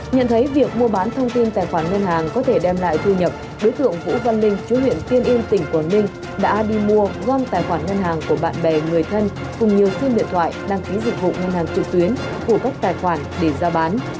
nhận thấy việc mua bán thông tin tài khoản ngân hàng có thể đem lại thu nhập đối tượng vũ văn linh chú huyện tiên yên tỉnh quảng ninh đã đi mua gom tài khoản ngân hàng của bạn bè người thân cùng nhiều sim điện thoại đăng ký dịch vụ ngân hàng trực tuyến của các tài khoản để giao bán